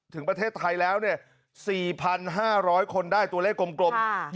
ถึงประเทศไทยแล้ว๔๕๐๐คนได้ตัวเลขกลม